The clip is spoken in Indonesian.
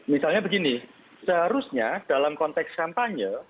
misalnya begini seharusnya dalam konteks kampanye